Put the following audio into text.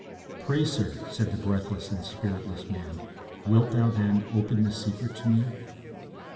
'Pray, sir,' said the breathless and spiritless man, 'wilt thou, then, open this secret to me?'